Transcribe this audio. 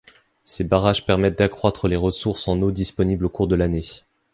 Ces barrages permettent d’accroître les ressources en eau disponibles au cours de l'année.